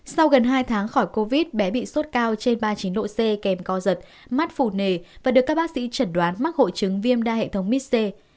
sau gần hai tháng khỏi covid bé bị sốt cao trên ba chín độ c kèm co giật mắt phủ nề và được các bác sĩ chẩn đoán mắc hội chứng viêm đa hệ thống mis c